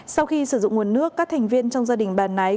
sau khi sử dụng nguồn nước các thành viên trong gia đình bà nái